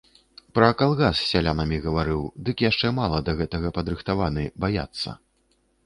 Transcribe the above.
Пра калгас з сялянамі гаварыў, дык яшчэ мала да гэтага падрыхтаваны, баяцца.